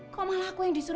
kok malah aku yang disusun